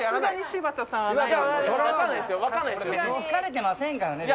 疲れてませんからね僕。